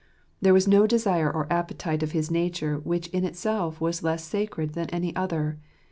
There was no desire or appetite of his nature which in itself was less sacred than any other.